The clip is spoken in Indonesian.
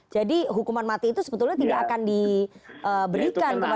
jadi hukuman mati itu sebetulnya tidak akan diberikan kepada ferdis sambo